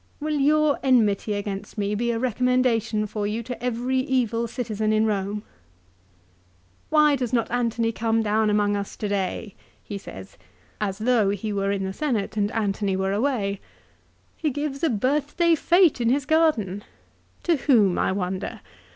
Will your enmity against me be a recommendation for you to every evil citizen in Rome ?"" Why does not Antony come down among us to day ?" he says, as though lie were in the 240 LIFE OF CICERO. Senate and Antony were away. "He gives a birthday fete in his garden. To whom I wonder